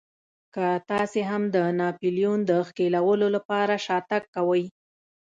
که تاسې هم د ناپلیون د ښکېلولو لپاره شاتګ کوئ.